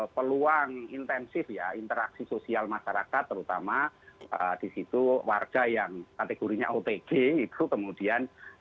peluang intensif ya interaksi sosial masyarakat terutama di situ warga yang kategorinya otg itu kemudian